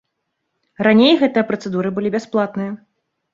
Раней гэтыя працэдуры былі бясплатныя.